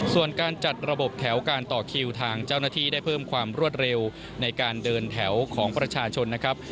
ส่วนการจัดระบบแถวการต่อคิวทางเจ้าหน้าที่ได้เพิ่มความรวดเร็วในการเดินแถวของประชาชนนะครับ